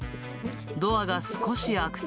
ドアが少し開くと。